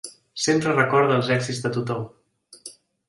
Sempre recorda els èxits de tothom.